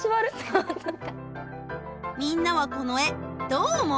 みんなはこの絵どう思う？